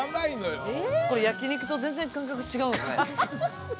これ焼き肉と全然感覚違うんすね。